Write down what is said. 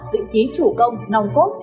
vị trí chủ công nòng cốt